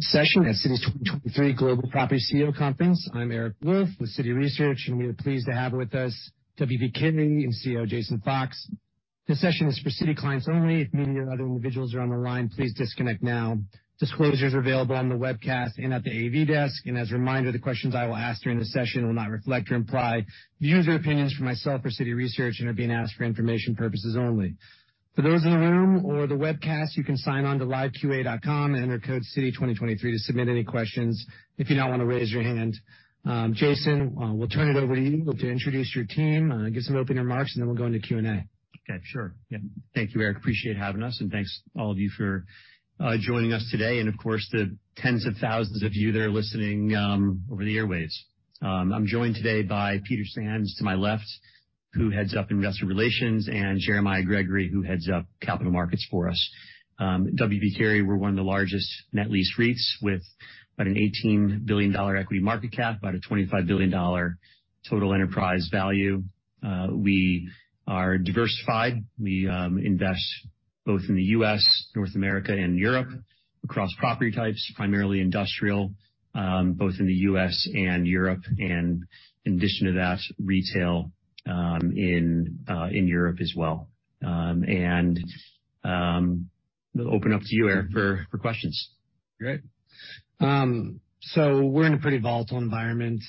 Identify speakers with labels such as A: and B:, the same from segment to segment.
A: Session at Citi 2023 Global Property CEO Conference. I'm Eric Wolfe with Citi Research, and we are pleased to have with us W. P. Carey CEO, Jason Fox. This session is for Citi clients only. If media or other individuals are on the line, please disconnect now. Disclosures are available on the webcast and at the AV desk. As a reminder, the questions I will ask during this session will not reflect or imply views or opinions from myself or Citi Research, and are being asked for information purposes only. For those in the room or the webcast, you can sign on to LiveQA.com and enter code C2023 to submit any questions if you don't want to raise your hand. Jason, we'll turn it over to you to introduce your team, give some opening remarks, and then we'll go into Q&A.
B: Okay, sure. Yeah. Thank you, Eric. Appreciate having us. Thanks all of you for joining us today and, of course, the tens of thousands of you that are listening over the airwaves. I'm joined today by Peter Sands, to my left, who heads up Investor Relations, and Jeremiah Gregory, who heads up Capital Markets for us. W. P. Carey, we're one of the largest net lease REITs with about an $18 billion equity market cap, about a $25 billion total enterprise value. We are diversified. We invest both in the U.S., North America, and Europe across property types, primarily industrial, both in the U.S. and Europe, and in addition to that, retail in Europe as well. We'll open up to you, Eric, for questions.
A: Great. We're in a pretty volatile environment,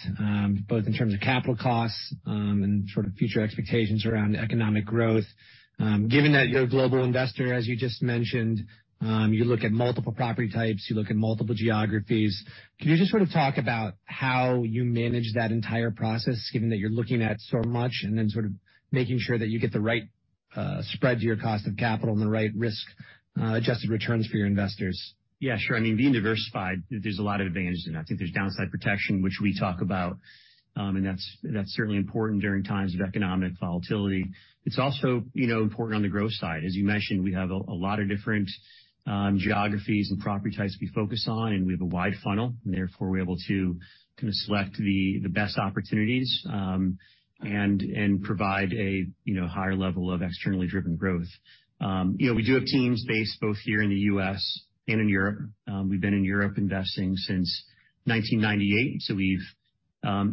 A: both in terms of capital costs, and sort of future expectations around economic growth. Given that you're a global investor, as you just mentioned, you look at multiple property types, you look at multiple geographies, can you just sort of talk about how you manage that entire process, given that you're looking at so much and then sort of making sure that you get the right spread to your cost of capital and the right risk adjusted returns for your investors?
B: Yeah, sure. I mean, being diversified, there's a lot of advantages in that. I think there's downside protection, which we talk about, and that's certainly important during times of economic volatility. It's also, you know, important on the growth side. As you mentioned, we have a lot of different geographies and property types we focus on, and we have a wide funnel, and therefore, we're able to kind of select the best opportunities and provide a, you know, higher level of externally driven growth. You know, we do have teams based both here in the U.S. and in Europe. We've been in Europe investing since 1998, so we've,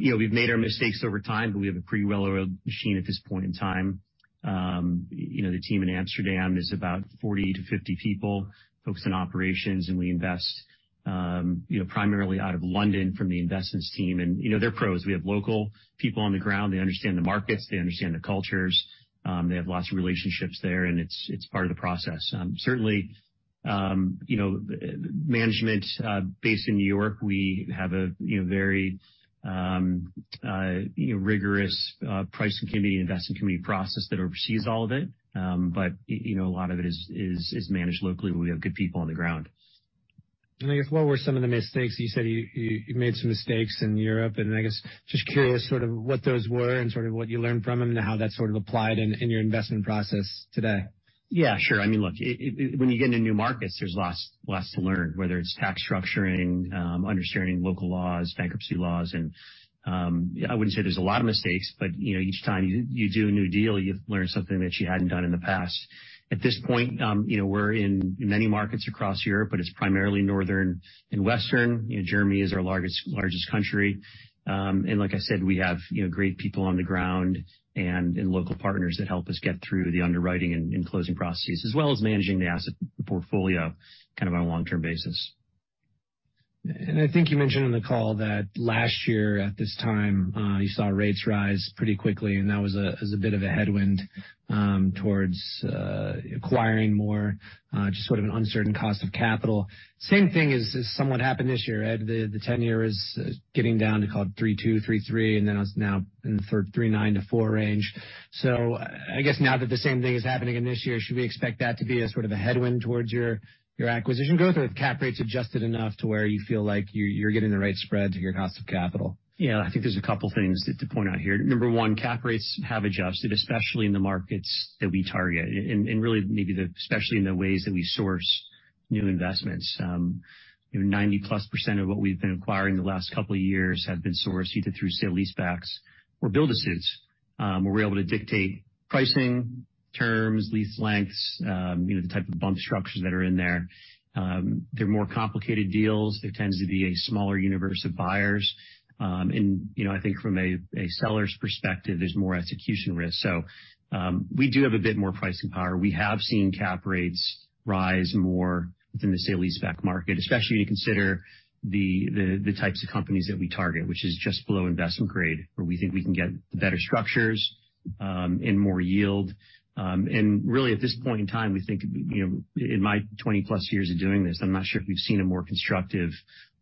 B: you know, we've made our mistakes over time, but we have a pretty well-oiled machine at this point in time. You know, the team in Amsterdam is about 40 to 50 people focused on operations, and we invest, you know, primarily out of London from the investments team. You know, they're pros. We have local people on the ground. They understand the markets. They understand the cultures. They have lots of relationships there, and it's part of the process. Certainly, you know, management, based in New York, we have a, you know, very, you know, rigorous, pricing committee and investment committee process that oversees all of it. You know, a lot of it is managed locally where we have good people on the ground.
A: I guess what were some of the mistakes? You said you made some mistakes in Europe. I guess just curious sort of what those were and sort of what you learned from them and how that sort of applied in your investment process today.
B: Yeah, sure. I mean, look, when you get into new markets, there's lots to learn, whether it's tax structuring, understanding local laws, bankruptcy laws. I wouldn't say there's a lot of mistakes, but, you know, each time you do a new deal, you learn something that you hadn't done in the past. At this point, you know, we're in many markets across Europe, but it's primarily northern and western. You know, Germany is our largest country. Like I said, we have, you know, great people on the ground and local partners that help us get through the underwriting and closing processes, as well as managing the asset portfolio kind of on a long-term basis.
A: I think you mentioned on the call that last year at this time, you saw rates rise pretty quickly, and that was a bit of a headwind towards acquiring more, just sort of an uncertain cost of capital. Same thing is somewhat happened this year. The ten-year is getting down to call it 3.2, 3.3, and then it's now in the 3.9-4 range. I guess now that the same thing is happening again this year, should we expect that to be a sort of a headwind towards your acquisition growth, or have cap rates adjusted enough to where you feel like you're getting the right spread to your cost of capital?
B: Yeah. I think there's a couple things to point out here. Number 1, cap rates have adjusted, especially in the markets that we target, and really maybe especially in the ways that we source new investments. You know, 90%+ of what we've been acquiring the last couple years have been sourced either through sale-leasebacks or build-to-suit, where we're able to dictate pricing, terms, lease lengths, you know, the type of bump structures that are in there. They're more complicated deals. There tends to be a smaller universe of buyers. You know, I think from a seller's perspective, there's more execution risk. We do have a bit more pricing power. We have seen cap rates rise more within the sale-leaseback market, especially when you consider the types of companies that we target, which is just below investment grade, where we think we can get the better structures and more yield. Really at this point in time, we think, you know, in my 20-plus years of doing this, I'm not sure if we've seen a more constructive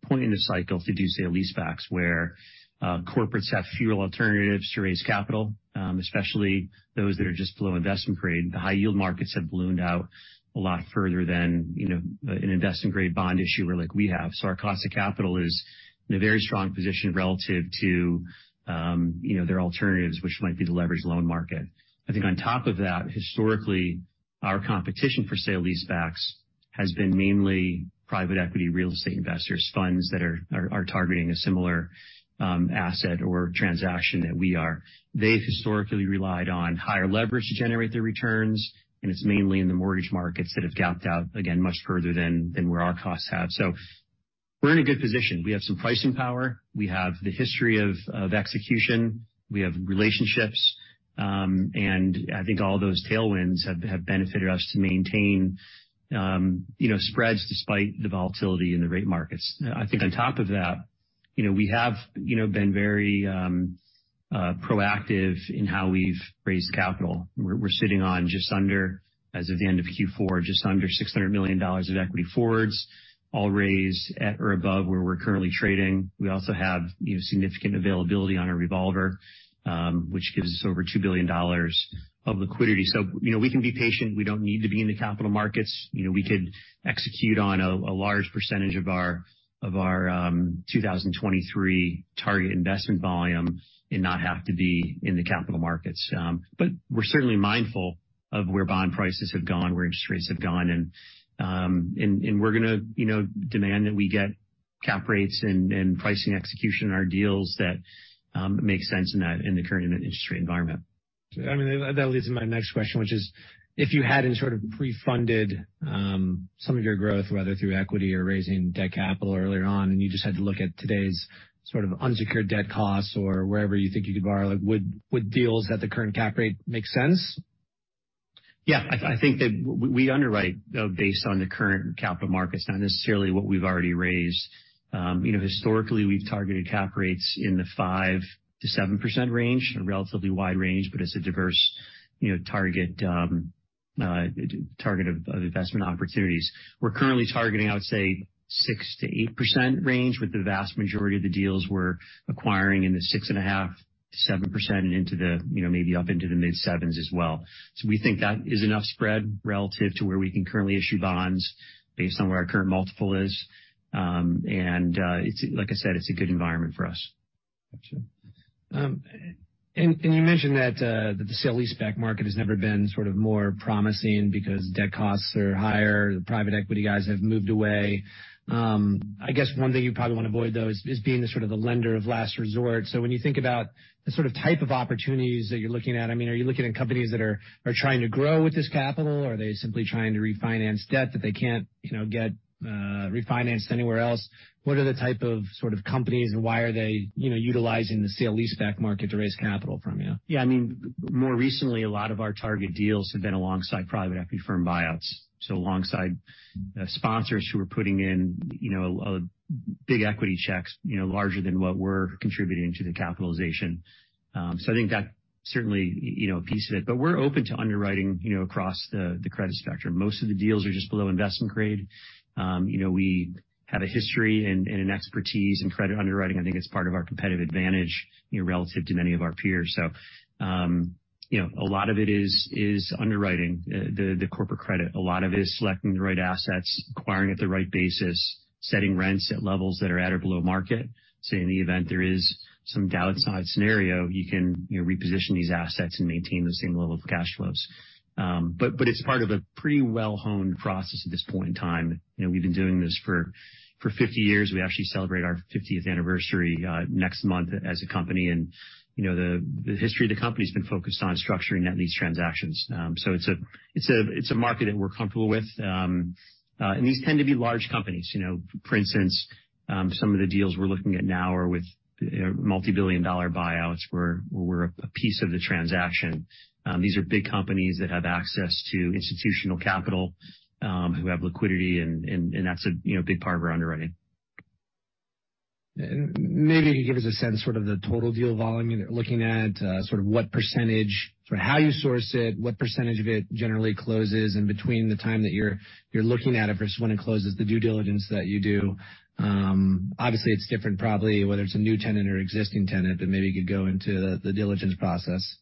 B: point in the cycle to do sale-leasebacks where corporates have fewer alternatives to raise capital, especially those that are just below investment grade. The high-yield markets have ballooned out a lot further than, you know, an investment grade bond issuer like we have. Our cost of capital is in a very strong position relative to, you know, their alternatives, which might be the leveraged loan market. I think on top of that, historically, our competition for sale-leasebacks has been mainly private equity real estate investors, funds that are targeting a similar asset or transaction that we are. They've historically relied on higher leverage to generate their returns. It's mainly in the mortgage markets that have gapped out, again, much further than where our costs have. We're in a good position. We have some pricing power. We have the history of execution. We have relationships. I think all those tailwinds have benefited us to maintain, you know, spreads despite the volatility in the rate markets. I think on top of that, you know, we have, you know, been very proactive in how we've raised capital. We're sitting on just under, as of the end of Q4, just under $600 million of equity forward, all raised at or above where we're currently trading. We also have, you know, significant availability on our revolver, which gives us over $2 billion of liquidity. You know, we can be patient. We don't need to be in the capital markets. You know, we could execute on a large percentage of our 2023 target investment volume and not have to be in the capital markets. We're certainly mindful of where bond prices have gone, where interest rates have gone, and we're gonna, you know, demand that we get cap rates and pricing execution in our deals that make sense in the current interest rate environment.
A: I mean, that leads to my next question, which is if you hadn't sort of pre-funded, some of your growth, whether through equity or raising debt capital earlier on, and you just had to look at today's sort of unsecured debt costs or wherever you think you could borrow, like would deals at the current cap rate make sense?
B: Yeah. I think that we underwrite based on the current capital markets, not necessarily what we've already raised. You know, historically, we've targeted cap rates in the 5%-7% range, a relatively wide range, but it's a diverse, you know, target of investment opportunities. We're currently targeting, I would say, 6%-8% range, with the vast majority of the deals we're acquiring in the 6.5%-7% and into the, you know, maybe up into the mid-sevens as well. We think that is enough spread relative to where we can currently issue bonds based on where our current multiple is. It's, like I said, a good environment for us.
A: Gotcha. You mentioned that the sale-leaseback market has never been sort of more promising because debt costs are higher, the private equity guys have moved away. I guess one thing you probably want to avoid though is being the sort of the lender of last resort. When you think about the sort of type of opportunities that you're looking at, I mean, are you looking at companies that are trying to grow with this capital? Are they simply trying to refinance debt that they can't, you know, get refinanced anywhere else? What are the type of sort of companies and why are they, you know, utilizing the sale-leaseback market to raise capital from you?
B: Yeah, I mean, more recently, a lot of our target deals have been alongside private equity firm buyouts, so alongside sponsors who are putting in, you know, big equity checks, you know, larger than what we're contributing to the capitalization. I think that certainly, you know, a piece of it. We're open to underwriting, you know, across the credit spectrum. Most of the deals are just below investment grade. I mean, you know, we have a history and an expertise in credit underwriting. I think it's part of our competitive advantage, you know, relative to many of our peers. You know, a lot of it is underwriting the corporate credit. A lot of it is selecting the right assets, acquiring at the right basis, setting rents at levels that are at or below market. In the event there is some downside scenario, you can, you know, reposition these assets and maintain the same level of cash flows. It's part of a pretty well-honed process at this point in time. You know, we've been doing this for 50 years. We actually celebrate our 50th anniversary next month as a company. You know, the history of the company has been focused on structuring net lease transactions. It's a market that we're comfortable with. These tend to be large companies. You know, for instance, some of the deals we're looking at now are with multi-billion dollar buyouts where we're a piece of the transaction. These are big companies that have access to institutional capital, who have liquidity, and that's a, you know, big part of our underwriting.
A: Maybe you could give us a sense sort of the total deal volume you're looking at, sort of what percentage for how you source it, what percentage of it generally closes in between the time that you're looking at it versus when it closes, the due diligence that you do. Obviously, it's different probably whether it's a new tenant or existing tenant, but maybe you could go into the diligence process.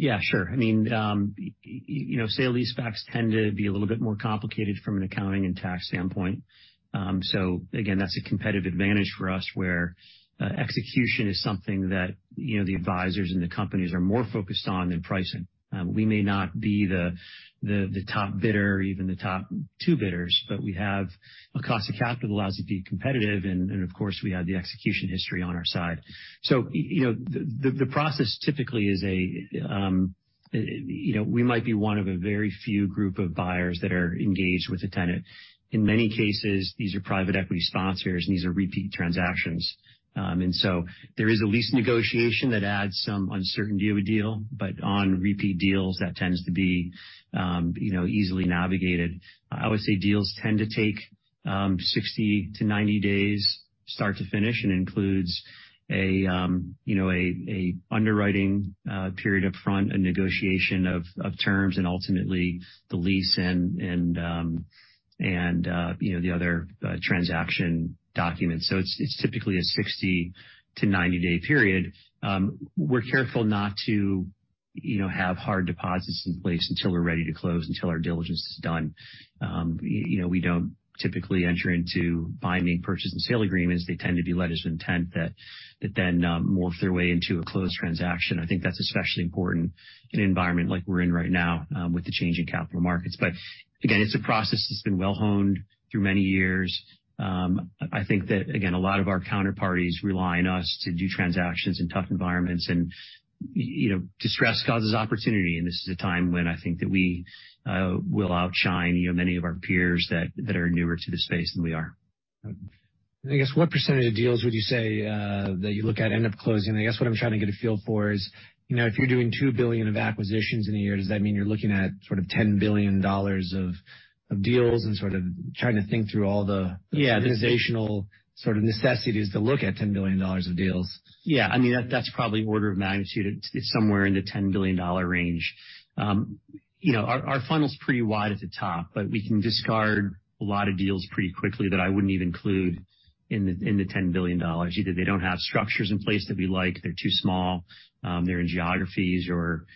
B: Yeah, sure. I mean, you know, sale-leasebacks tend to be a little bit more complicated from an accounting and tax standpoint. Again, that's a competitive advantage for us where execution is something that, you know, the advisors and the companies are more focused on than pricing. We may not be the top bidder or even the top two bidders, but we have a cost of capital that allows us to be competitive, and of course, we have the execution history on our side. You know, the process typically is a, you know, we might be one of a very few group of buyers that are engaged with the tenant. In many cases, these are private equity sponsors, and these are repeat transactions. There is a lease negotiation that adds some uncertainty of a deal, but on repeat deals, that tends to be, you know, easily navigated. I would say deals tend to take, 60 to 90 days start to finish and includes a, you know, a underwriting period upfront, a negotiation of terms, and ultimately the lease and, you know, the other transaction documents. It's typically a 60 to 90-day period. We're careful not to, you know, have hard deposits in place until we're ready to close, until our diligence is done. You know, we don't typically enter into binding purchase and sale agreements. They tend to be letters of intent that then, morph their way into a closed transaction. I think that's especially important in an environment like we're in right now, with the change in capital markets. Again, it's a process that's been well-honed through many years. I think that, again, a lot of our counterparties rely on us to do transactions in tough environments, and, you know, distress causes opportunity. This is a time when I think that we will outshine, you know, many of our peers that are newer to the space than we are.
A: I guess what percentage of deals would you say that you look at end up closing? I guess what I'm trying to get a feel for is, you know, if you're doing $2 billion of acquisitions in a year, does that mean you're looking at sort of $10 billion of deals and sort of trying to think through?
B: Yeah.
A: Organizational sort of necessities to look at $10 billion of deals.
B: I mean that's probably order of magnitude. It's somewhere in the $10 billion range. you know, our funnel's pretty wide at the top, but we can discard a lot of deals pretty quickly that I wouldn't even include in the $10 billion. Either they don't have structures in place that we like. They're too small. They're in geographies or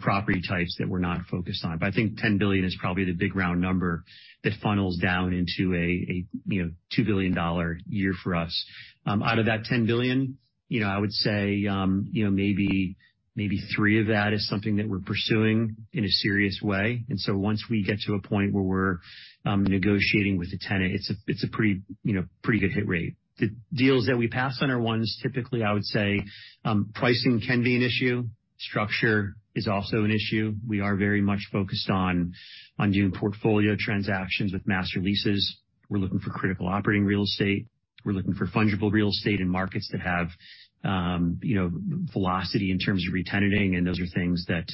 B: property types that we're not focused on. I think $10 billion is probably the big round number that funnels down into a, you know, $2 billion year for us. Out of that $10 billion, you know, I would say, you know, maybe $3 billion of that is something that we're pursuing in a serious way. Once we get to a point where we're negotiating with a tenant, it's a, it's a pretty, you know, pretty good hit rate. The deals that we pass on are ones typically I would say, pricing can be an issue. Structure is also an issue. We are very much focused on doing portfolio transactions with master lease. We're looking for critical operating real estate. We're looking for fungible real estate in markets that have, you know, velocity in terms of re-tenanting, and those are things that,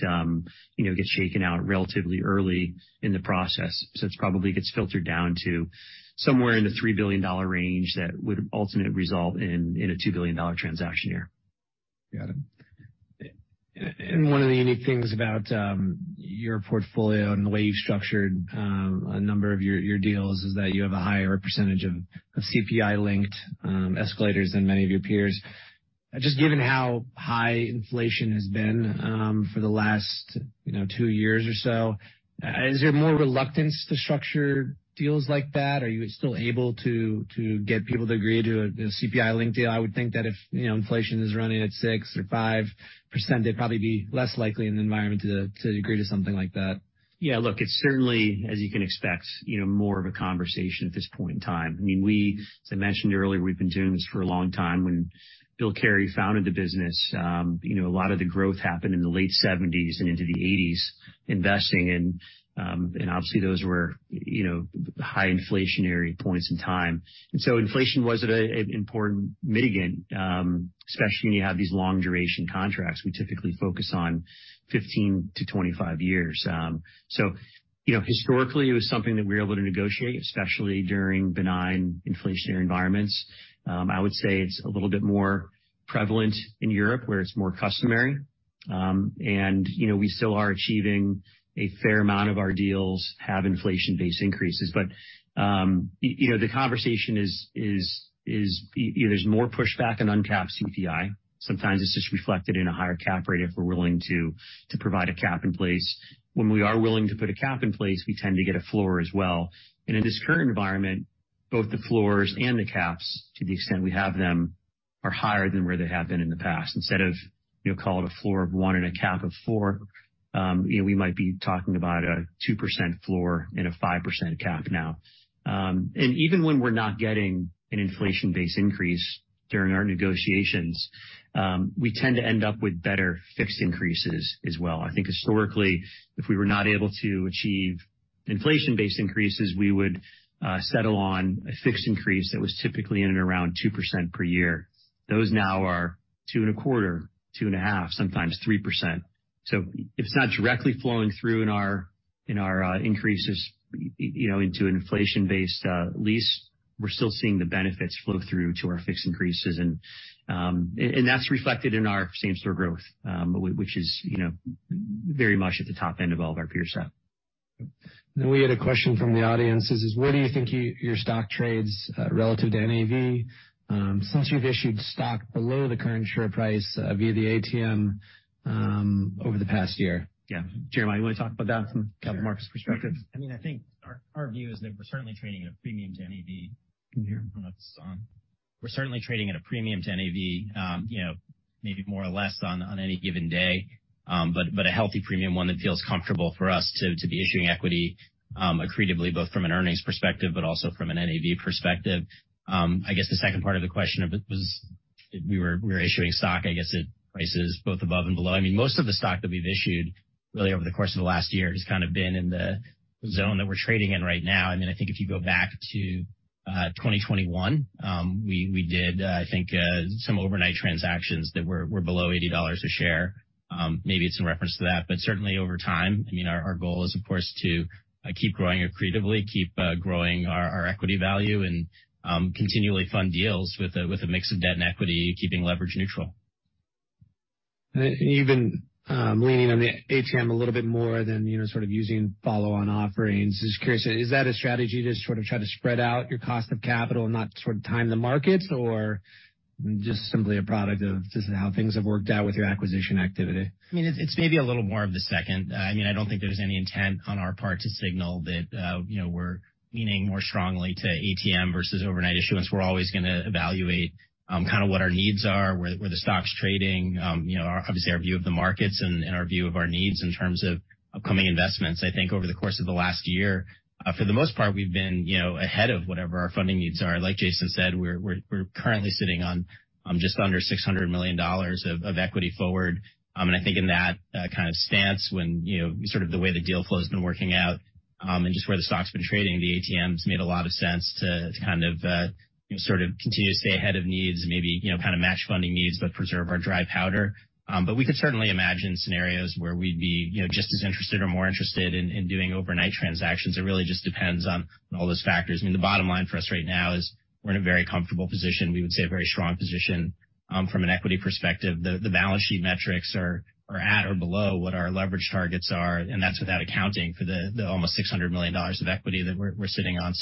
B: you know, get shaken out relatively early in the process. It's probably gets filtered down to somewhere in the $3 billion range that would ultimately result in a $2 billion transaction year.
A: Got it. One of the unique things about your portfolio and the way you've structured a number of your deals is that you have a higher percentage of CPI-linked escalators than many of your peers. Just given how high inflation has been for the last, you know, two years or so, is there more reluctance to structure deals like that? Are you still able to get people to agree to a CPI-linked deal? I would think that if, you know, inflation is running at 6% or 5%, they'd probably be less likely in the environment to agree to something like that.
B: Yeah. Look, it's certainly, as you can expect, you know, more of a conversation at this point in time. I mean, we, as I mentioned earlier, we've been doing this for a long time. When Bill Carey founded the business, you know, a lot of the growth happened in the late seventies and into the eighties, investing and obviously, those were, you know, high inflationary points in time. Inflation was an important mitigant, especially when you have these long duration contracts. We typically focus on 15 to 25 years. So, you know, historically it was something that we were able to negotiate, especially during benign inflationary environments. I would say it's a little bit more prevalent in Europe where it's more customary. You know, we still are achieving a fair amount of our deals have inflation-based increases. You know, the conversation is there's more pushback on uncapped CPI. Sometimes it's just reflected in a higher cap rate if we're willing to provide a cap in place. When we are willing to put a cap in place, we tend to get a floor as well. In this current environment, both the floors and the caps, to the extent we have them, are higher than where they have been in the past. Instead of, you know, call it a floor of 1 and a cap of 4, you know, we might be talking about a 2% floor and a 5% cap now. Even when we're not getting an inflation-based increase during our negotiations, we tend to end up with better fixed increases as well. I think historically, if we were not able to achieve inflation-based increases, we would settle on a fixed increase that was typically in and around 2% per year. Those now are 2.25%, 2.5%, sometimes 3%. If it's not directly flowing through in our increases, you know, into an inflation-based lease, we're still seeing the benefits flow through to our fixed increases. And that's reflected in our same-store growth, which is, you know, very much at the top end of all of our peers set.
A: We had a question from the audience. This is where do you think your stock trades, relative to NAV, since you've issued stock below the current share price, via the ATM, over the past year?
B: Yeah. Jeremiah, you wanna talk about that from capital markets perspective?
C: Sure. I mean, I think our view is that we're certainly trading at a premium to NAV.
B: Can you hear?
C: Oh, that's on. We're certainly trading at a premium to NAV, you know, maybe more or less on any given day. But a healthy premium, one that feels comfortable for us to be issuing equity accretively, both from an earnings perspective but also from an NAV perspective. I guess the second part of the question of it was we were issuing stock, I guess, at prices both above and below. I mean, most of the stock that we've issued really over the course of the last year has kind of been in the zone that we're trading in right now. I think if you go back to 2021, we did, I think, some overnight transactions that were below $80 a share. Maybe it's in reference to that, but certainly over time, I mean, our goal is of course to keep growing accretively, keep growing our equity value and continually fund deals with a, with a mix of debt and equity, keeping leverage neutral.
A: Even leaning on the ATM a little bit more than, you know, sort of using follow-on offerings. Just curious, is that a strategy to sort of try to spread out your cost of capital and not sort of time the markets or just simply a product of just how things have worked out with your acquisition activity?
C: I mean, it's maybe a little more of the second. I mean, I don't think there's any intent on our part to signal that, you know, we're leaning more strongly to ATM versus overnight issuance. We're always gonna evaluate, kinda what our needs are, where the stock's trading, you know, obviously our view of the markets and our view of our needs in terms of upcoming investments. I think over the course of the last year, for the most part, we've been, you know, ahead of whatever our funding needs are. Like Jason said, we're currently sitting on just under $600 million of equity forward. I think in that kind of stance when, you know, sort of the way the deal flow's been working out and just where the stock's been trading, the ATMs made a lot of sense to kind of, you know, sort of continue to stay ahead of needs and maybe, you know, kind of match funding needs but preserve our dry powder. We could certainly imagine scenarios where we'd be, you know, just as interested or more interested in doing overnight transactions. It really just depends on all those factors. I mean, the bottom line for us right now is we're in a very comfortable position. We would say a very strong position from an equity perspective. The balance sheet metrics are at or below what our leverage targets are, and that's without accounting for the almost $600 million of equity that we're sitting on.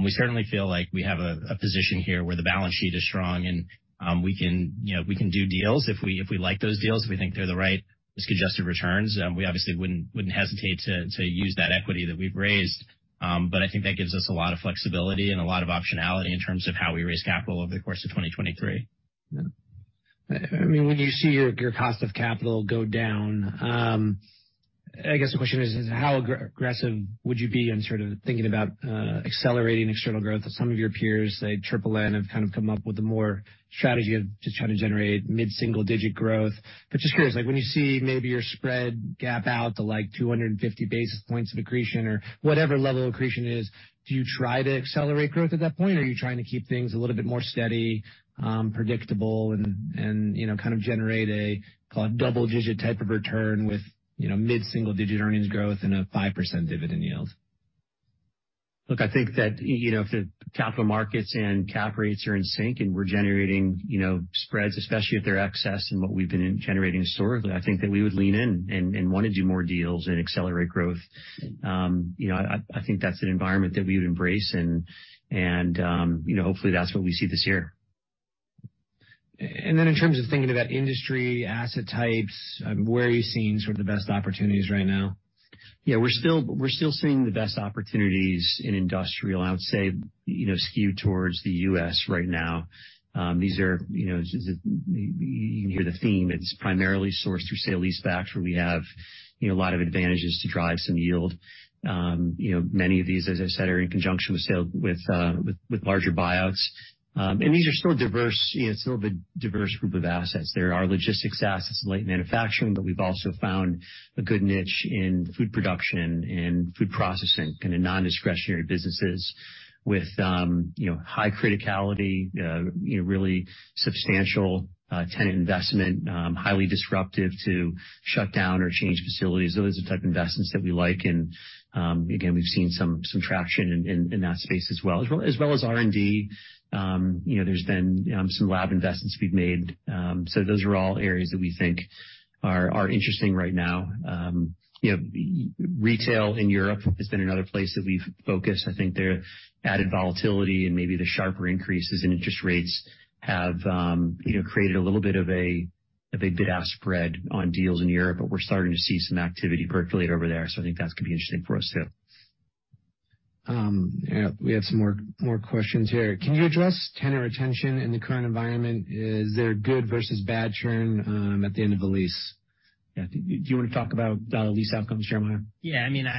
C: We certainly feel like we have a position here where the balance sheet is strong, and we can, you know, we can do deals if we like those deals, if we think they're the right risk-adjusted returns. We obviously wouldn't hesitate to use that equity that we've raised. I think that gives us a lot of flexibility and a lot of optionality in terms of how we raise capital over the course of 2023.
A: I mean, when you see your cost of capital go down, I guess the question is how aggressive would you be in sort of thinking about accelerating external growth? Some of your peers, like NNN, have kind of come up with a more strategy of just trying to generate mid-single digit growth. Just curious, like when you see maybe your spread gap out to like 250 basis points of accretion or whatever level of accretion is, do you try to accelerate growth at that point, or are you trying to keep things a little bit more steady, predictable and, you know, kind of generate a double-digit type of return with, you know, mid-single digit earnings growth and a 5% dividend yield?
B: Look, I think that, you know, if the capital markets and cap rates are in sync and we're generating, you know, spreads, especially if they're excess in what we've been generating historically, I think that we would lean in and wanna do more deals and accelerate growth. You know, I think that's an environment that we would embrace and, you know, hopefully, that's what we see this year.
A: In terms of thinking about industry, asset types, where are you seeing sort of the best opportunities right now?
B: We're still seeing the best opportunities in industrial, I would say, you know, skewed towards the U.S. right now. These are, you know, you can hear the theme. It's primarily sourced through sale-leasebacks, where we have, you know, a lot of advantages to drive some yield. Many of these, as I said, are in conjunction with larger buyouts. These are still diverse. You know, it's still a big diverse group of assets. There are logistics assets, light manufacturing, but we've also found a good niche in food production and food processing, kinda non-discretionary businesses with, you know, high criticality, you know, really substantial tenant investment, highly disruptive to shut down or change facilities. Those are the type of investments that we like. Again, we've seen some traction in that space as well. As well as R&D. You know, there's been some lab investments we've made. Those are all areas that we think are interesting right now. You know, retail in Europe has been another place that we've focused. I think their added volatility and maybe the sharper increases in interest rates have, you know, created a little bit of a bid-ask spread on deals in Europe, but we're starting to see some activity percolate over there, so I think that's gonna be interesting for us too.
A: Yeah. We have some more questions here. Can you address tenant retention in the current environment? Is there good versus bad churn at the end of a lease?
B: Yeah. Do you wanna talk about the lease outcomes, Jeremiah?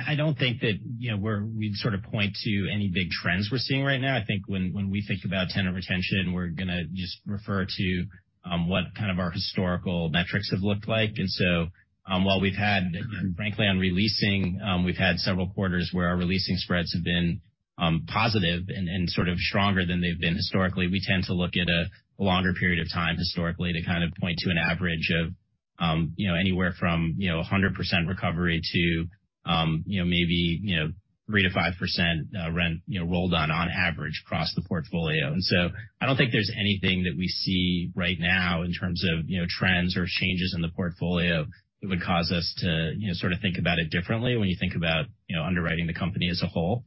C: I don't think that, you know, we'd sort of point to any big trends we're seeing right now. I think when we think about tenant retention, we're gonna just refer to what kind of our historical metrics have looked like. While we've had, frankly, on re-leasing, we've had several quarters where our re-leasing spreads have been positive and sort of stronger than they've been historically. We tend to look at a longer period of time historically to kind of point to an average of, you know, anywhere from, you know, 100% recovery to, you know, maybe, you know, 3%-5% rent, you know, rolled on on average across the portfolio. I don't think there's anything that we see right now in terms of, you know, trends or changes in the portfolio that would cause us to, you know, sort of think about it differently when you think about, you know, underwriting the company as a whole.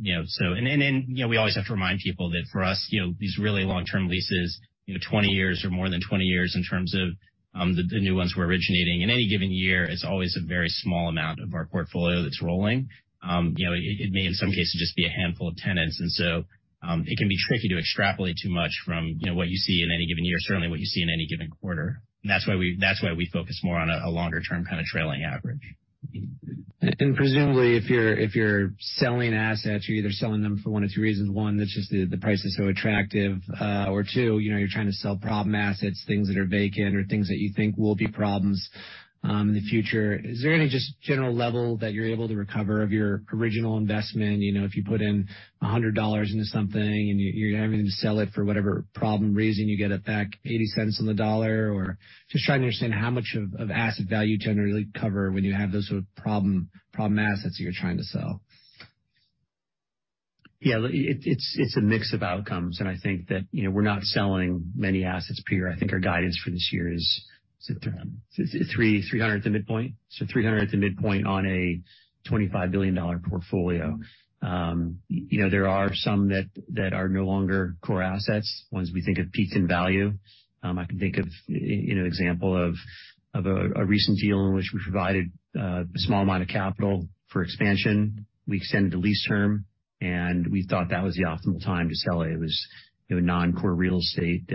C: You know, so. You know, we always have to remind people that for us, you know, these really long-term leases, you know, 20 years or more than 20 years in terms of, the new ones we're originating, in any given year, it's always a very small amount of our portfolio that's rolling. You know, it may, in some cases, just be a handful of tenants. It can be tricky to extrapolate too much from, you know, what you see in any given year, certainly what you see in any given quarter. That's why we focus more on a longer-term kind of trailing average.
A: Presumably, if you're selling assets, you're either selling them for one of two reasons. One, that's just the price is so attractive. Or two, you know, you're trying to sell problem assets, things that are vacant or things that you think will be problems in the future. Is there any just general level that you're able to recover of your original investment? You know, if you put in $100 into something and you're having to sell it for whatever problem reason, you get it back $0.80 on the dollar or just trying to understand how much of asset value you generally cover when you have those sort of problem assets you're trying to sell.
B: Yeah. Look, it's a mix of outcomes. I think that, you know, we're not selling many assets per year. I think our guidance for this year is 300 at the midpoint. 300 at the midpoint on a $25 billion portfolio. You know, there are some that are no longer core assets, ones we think have peaked in value. I can think of, you know, example of a recent deal in which we provided a small amount of capital for expansion. We extended the lease term. We thought that was the optimal time to sell it. It was, you know, non-core real estate,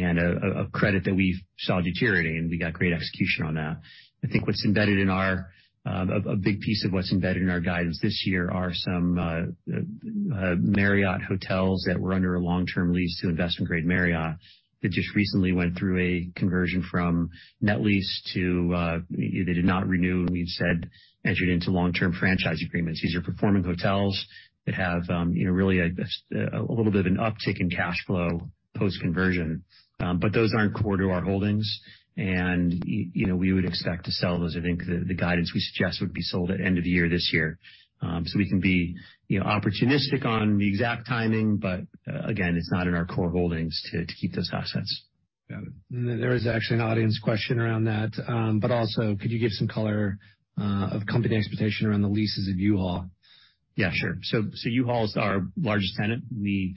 B: a credit that we saw deteriorating. We got great execution on that. I think what's embedded in our big piece of what's embedded in our guidance this year are some Marriott hotels that were under a long-term lease to investment grade Marriott that just recently went through a conversion from net lease to they did not renew, we've said entered into long-term franchise agreements. These are performing hotels that have, you know, just a little bit of an uptick in cash flow post-conversion. Those aren't core to our holdings. You know, we would expect to sell those. I think the guidance we suggest would be sold at end of the year this year. We can be, you know, opportunistic on the exact timing, but, again, it's not in our core holdings to keep those assets.
A: Got it. There is actually an audience question around that. Also could you give some color of company expectation around the leases of U-Haul?
B: U-Haul is our largest tenant. We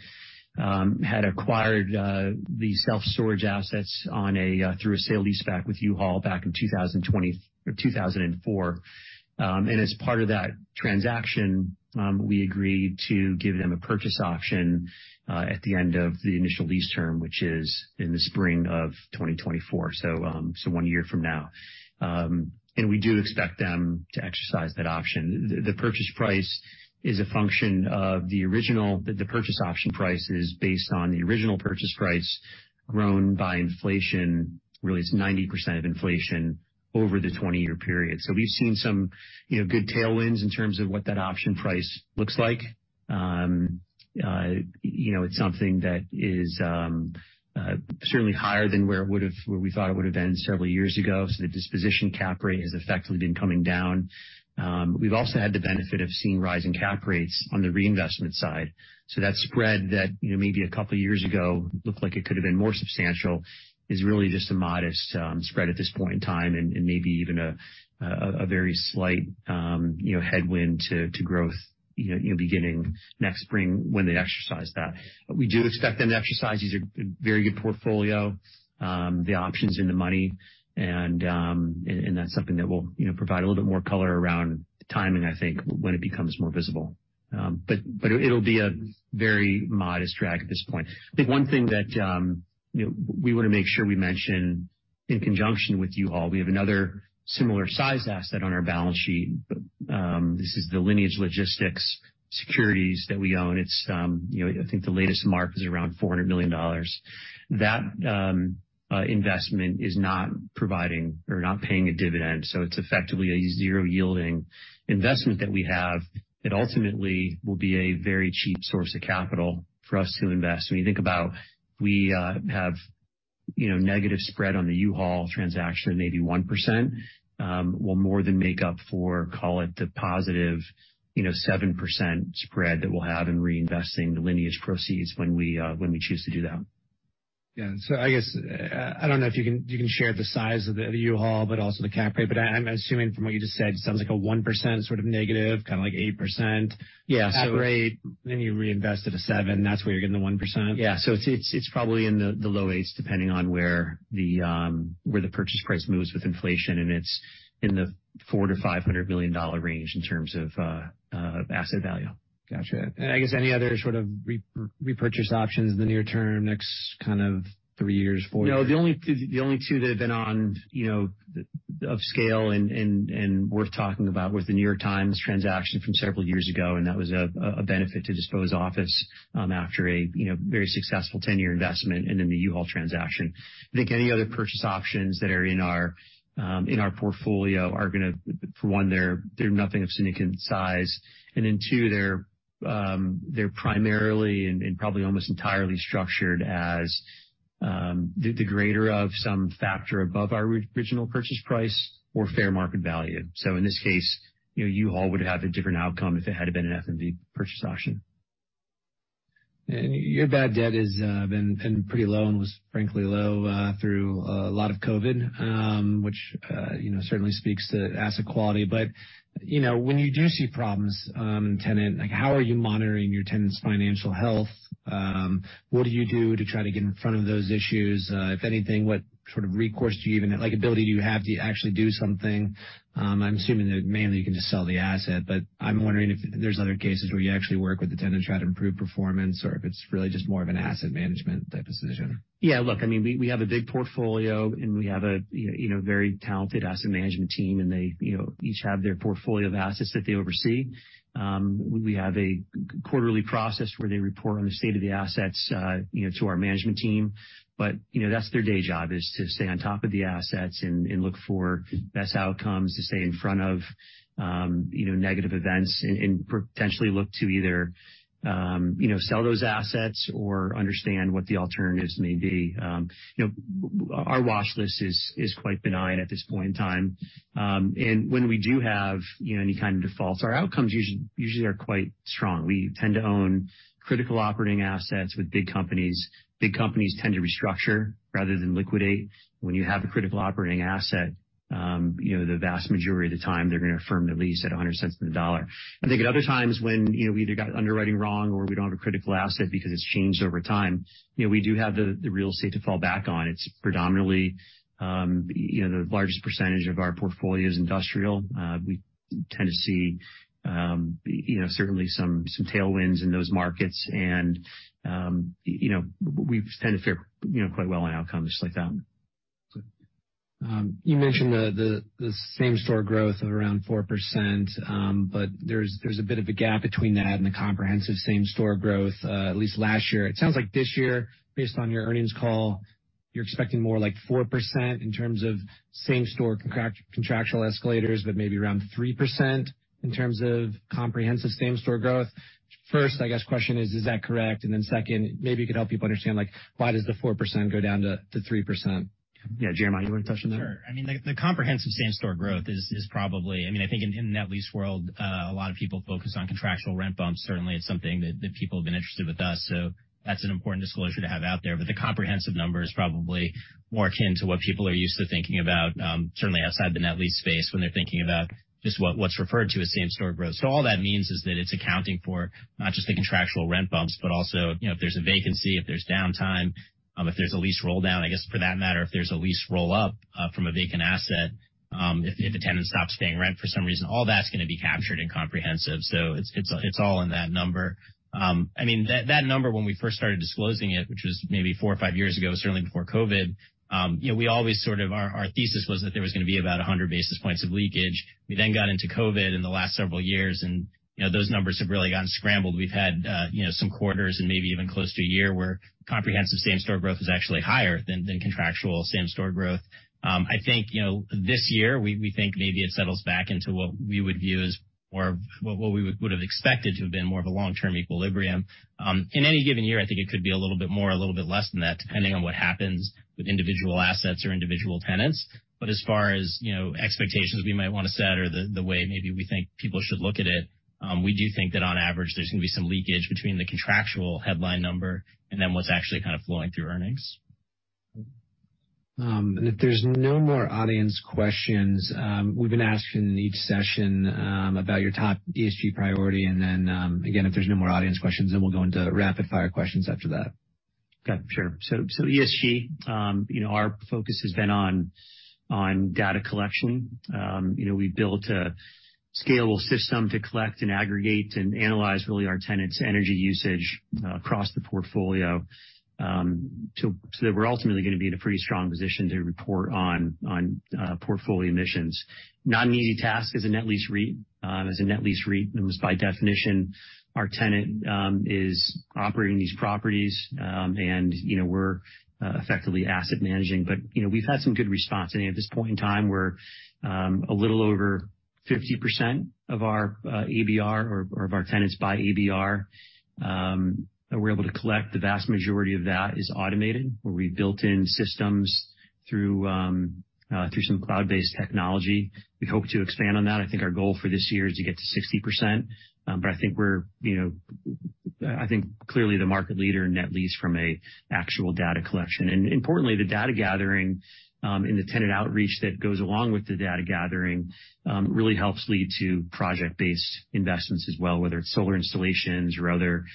B: had acquired the self-storage assets through a sale leaseback with U-Haul back in 2020, or 2004. As part of that transaction, we agreed to give them a purchase option at the end of the initial lease term, which is in the spring of 2024, so one year from now. We do expect them to exercise that option. The purchase price is a function of the original. The purchase option price is based on the original purchase price grown by inflation. Really, it's 90% of inflation over the 20-year period. We've seen some, you know, good tailwinds in terms of what that option price looks like. You know, it's something that is certainly higher than where it would've, where we thought it would've been several years ago. The disposition cap rate has effectively been coming down. We've also had the benefit of seeing rising cap rates on the reinvestment side. That spread that, you know, maybe a couple years ago looked like it could've been more substantial is really just a modest spread at this point in time and maybe even a very slight, you know, headwind to growth, you know, beginning next spring when they exercise that. We do expect them to exercise. These are a very good portfolio. The option's in the money, and that's something that we'll, you know, provide a little bit more color around timing, I think, when it becomes more visible. It'll be a very modest drag at this point. I think one thing that, you know, we wanna make sure we mention in conjunction with U-Haul, we have another similar size asset on our balance sheet. This is the Lineage Logistics securities that we own. It's, you know, I think the latest mark is around $400 million. That investment is not providing or not paying a dividend, so it's effectively a zero yielding investment that we have. It ultimately will be a very cheap source of capital for us to invest. When you think about we have, you know, negative spread on the U-Haul transaction, maybe 1%, will more than make up for, call it, the positive, you know, 7% spread that we'll have in reinvesting the Lineage proceeds when we choose to do that.
A: I guess, I don't know if you can share the size of the U-Haul but also the cap rate. I'm assuming from what you just said, it sounds like a 1% sort of negative, kinda like 8%.
B: Yeah.
A: Cap rate, then you reinvest at a seven. That's where you're getting the 1%.
B: Yeah. It's probably in the low eights depending on where the purchase price moves with inflation, and it's in the $400 million-$500 million range in terms of asset value.
A: Gotcha. I guess any other sort of repurchase options in the near term, next kind of 3 years, 4 years?
B: No. The only two that have been on, you know, of scale and worth talking about was The New York Times transaction from several years ago, and that was a benefit to dispose office after a, you know, very successful 10-year investment, and then the U-Haul transaction. I think any other purchase options that are in our portfolio are gonna... For one, they're nothing of significant size, and then two, they're primarily and probably almost entirely structured as the greater of some factor above our original purchase price or fair market value. In this case, you know, U-Haul would have a different outcome if it had been an FMV purchase option.
A: Your bad debt has been pretty low and was frankly low through a lot of COVID, which, you know, certainly speaks to asset quality. You know, when you do see problems in tenant, like how are you monitoring your tenant's financial health? What do you do to try to get in front of those issues? If anything, what sort of recourse do you even have? Like, ability do you have to actually do something? I'm assuming that mainly you can just sell the asset, but I'm wondering if there's other cases where you actually work with the tenant to try to improve performance or if it's really just more of an asset management type decision.
B: Yeah. Look, I mean, we have a big portfolio, and we have a, you know, very talented asset management team, and they, you know, each have their portfolio of assets that they oversee. We have a quarterly process where they report on the state of the assets, you know, to our management team. You know, that's their day job, is to stay on top of the assets and look for best outcomes to stay in front of, you know, negative events and potentially look to either, you know, sell those assets or understand what the alternatives may be. You know, our watch list is quite benign at this point in time. When we do have, you know, any kind of defaults, our outcomes usually are quite strong. We tend to own critical operating assets with big companies. Big companies tend to restructure rather than liquidate. When you have a critical operating asset, you know, the vast majority of the time they're gonna affirm the lease at 100 cents on the dollar. I think at other times when, you know, we either got underwriting wrong or we don't have a critical asset because it's changed over time, you know, we do have the real estate to fall back on. It's predominantly, you know, the largest percentage of our portfolio is industrial. We tend to see, you know, certainly some tailwinds in those markets. You know, we've tended to fare, you know, quite well in outcomes just like that one.
A: You mentioned the same-store growth of around 4%, but there's a bit of a gap between that and the comprehensive same-store growth, at least last year. It sounds like this year, based on your earnings call, you're expecting more like 4% in terms of same-store contractual escalators, but maybe around 3% in terms of comprehensive same-store growth. First, I guess, question is that correct? Second, maybe you could help people understand, like why does the 4% go down to 3%?
B: Yeah. Jeremiah, you wanna touch on that?
C: Sure. I mean, the comprehensive same-store growth is probably... I mean, I think in the net lease world, a lot of people focus on contractual rent bumps. Certainly, it's something that people have been interested with us, so that's an important disclosure to have out there. The comprehensive number is probably more akin to what people are used to thinking about, certainly outside the net lease space when they're thinking about just what's referred to as same-store growth. All that means is that it's accounting for not just the contractual rent bumps, but also, you know, if there's a vacancy, if there's downtime, if there's a lease rolldown, I guess for that matter, if there's a lease roll-up, from a vacant asset, if a tenant stops paying rent for some reason, all that's gonna be captured in comprehensive. It's all in that number. I mean, that number when we first started disclosing it, which was maybe four or five years ago, certainly before COVID, you know, we always Our thesis was that there was gonna be about 100 basis points of leakage. We got into COVID in the last several years and, you know, those numbers have really gotten scrambled. We've had, you know, some quarters and maybe even close to a year where comprehensive same-store growth is actually higher than contractual same-store growth. I think, you know, this year we think maybe it settles back into what we would view as more of what we would have expected to have been more of a long-term equilibrium. In any given year, I think it could be a little bit more, a little bit less than that, depending on what happens with individual assets or individual tenants. As far as, you know, expectations we might wanna set or the way maybe we think people should look at it, we do think that on average, there's gonna be some leakage between the contractual headline number and then what's actually kind of flowing through earnings.
A: If there's no more audience questions, we've been asking each session about your top ESG priority. Then, again, if there's no more audience questions, then we'll go into rapid-fire questions after that.
B: Got it. Sure. ESG, you know, our focus has been on data collection. You know, we built a scalable system to collect and aggregate and analyze really our tenants' energy usage across the portfolio, so that we're ultimately gonna be in a pretty strong position to report on portfolio emissions. Not an easy task as a net lease REIT. As a net lease REIT, it was by definition, our tenant is operating these properties. You know, we're effectively asset managing, but, you know, we've had some good response. At this point in time, we're a little over 50% of our ABR or of our tenants by ABR, we're able to collect. The vast majority of that is automated, where we built in systems through through some cloud-based technology. We hope to expand on that. I think our goal for this year is to get to 60%. I think we're, you know, I think clearly the market leader in net lease from a actual data collection. Importantly, the data gathering, and the tenant outreach that goes along with the data gathering, really helps lead to project-based investments as well, whether it's solar installations or other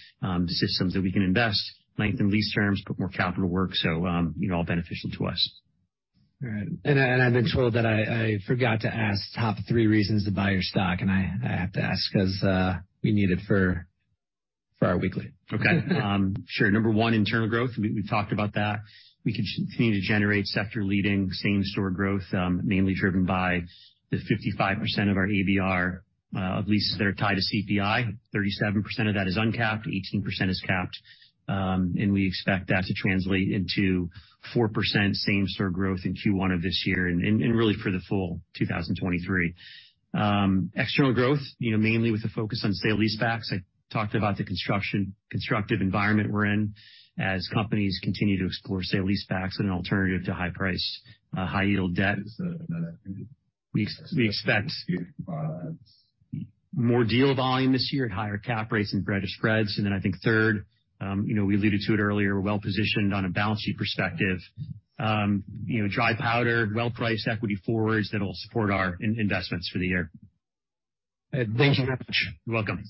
B: systems that we can invest, lengthen lease terms, put more capital work, you know, all beneficial to us.
A: All right. I've been told that I forgot to ask top 3 reasons to buy your stock, and I have to ask 'cause we need it for our weekly.
B: Okay. Sure. Number 1, internal growth. We talked about that. We continue to generate sector leading same-store growth, mainly driven by the 55% of our ABR leases that are tied to CPI. 37% of that is uncapped, 18% is capped. We expect that to translate into 4% same-store growth in Q1 of this year and really for the full 2023. External growth, you know, mainly with the focus on sale leasebacks. I talked about the constructive environment we're in as companies continue to explore sale leasebacks as an alternative to high price, high-yield debt. We expect more deal volume this year at higher cap rates and broader spreads. I think third, you know, we alluded to it earlier, we're well positioned on a balance sheet perspective. You know, dry powder, well-priced equity forwards that'll support our investments for the year.
A: Thank you very much.
B: You're welcome.